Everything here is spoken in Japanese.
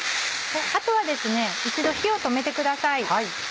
あとは一度火を止めてください。